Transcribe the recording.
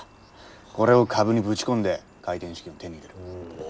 これを株にぶち込んで開店資金を手に入れる。